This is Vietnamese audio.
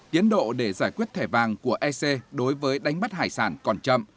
tiến độ để giải quyết thẻ vàng của ec đối với đánh bắt hải sản còn chậm